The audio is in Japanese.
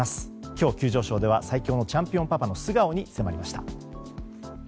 今日急上昇では最強のチャンピオンパパの素顔に迫りました。